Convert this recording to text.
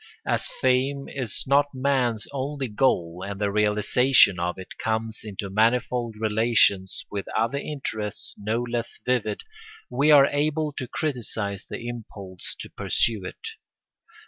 As fame is not man's only goal and the realisation of it comes into manifold relations with other interests no less vivid, we are able to criticise the impulse to pursue it.